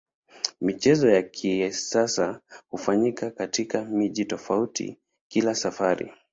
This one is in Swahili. Michezo ya kisasa hufanyika katika mji tofauti kila safari.